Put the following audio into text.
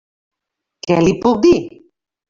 Què li puc dir?